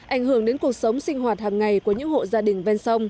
ảnh hưởng đến cuộc sống sinh hoạt hàng ngày của những hộ gia đình